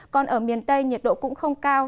còn ở miền tây nhiệt độ cũng không cao